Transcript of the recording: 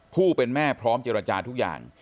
ผู้เป็นแม่พร้อมเจรจาทุกอย่าง